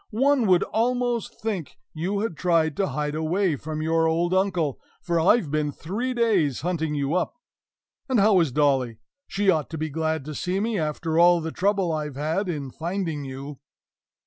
One would almost think you had tried to hide away from your old uncle, for I've been three days hunting you up. And how is Dolly? She ought to be glad to see me, after all the trouble I've had in finding you!